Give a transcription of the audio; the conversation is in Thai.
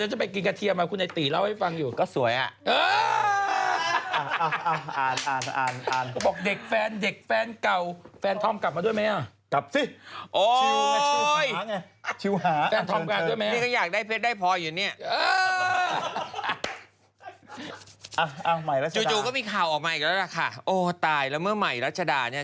มาอีกแล้วล่ะค่ะโอ้ตายแล้วเมื่อใหม่รัชดาเนี่ย